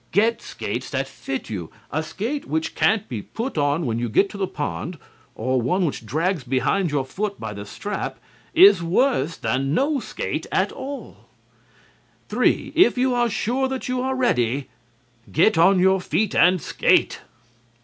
Get skates that fit you. A skate which can't be put on when you get to the pond, or one which drags behind your foot by the strap, is worse than no skate at all. 3. If you are sure that you are ready, get on your feet and skate.